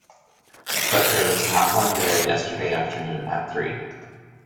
But there was not one there yesterday afternoon at three.